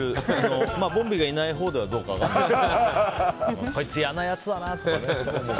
ボンビーがいないほうはどうか分からないけどこいつ嫌なやつだなとか。